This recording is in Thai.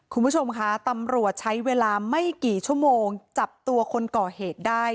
คุณผู้ชมคะตำรวจใช้เวลาไม่กี่ชั่วโมงจับตัวคนก่อเหตุได้